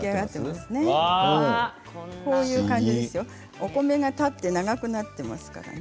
お米が立って長くなっていますから。